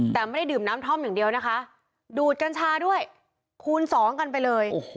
แต่ไม่ได้ดื่มน้ำท่อมอย่างเดียวนะคะดูดกัญชาด้วยคูณสองกันไปเลย